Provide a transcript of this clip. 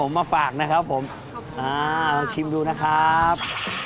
ผมมาฝากนะครับผมขอบคุณครับลองชิมดูนะครับ